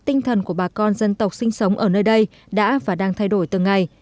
tinh thần của bà con dân tộc sinh sống ở nơi đây đã và đang thay đổi từng ngày